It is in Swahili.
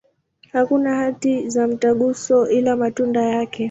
Hakuna hati za mtaguso, ila matunda yake.